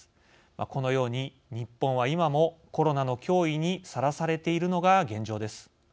このように、日本は今もコロナの脅威にさらされているのが現状です。